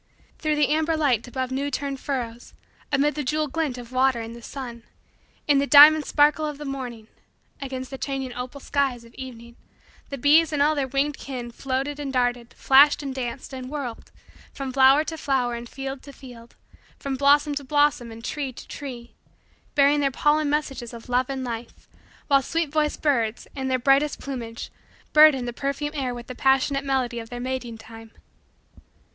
Through the amber light above new turned furrows; amid the jewel glint of water in the sun; in the diamond sparkle of the morning; against the changing opal skies of evening; the bees and all their winged kin floated and darted, flashed and danced, and whirled, from flower to flower and field to field, from blossom to blossom and tree to tree, bearing their pollen messages of love and life while sweet voiced birds, in their brightest plumage, burdened the perfumed air with the passionate melody of their mating time.